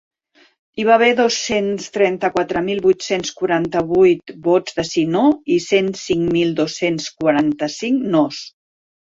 Hi va haver dos-cents trenta-quatre mil vuit-cents quaranta-vuit vots de sí-no i cent cinc mil dos-cents quaranta-cinc nos.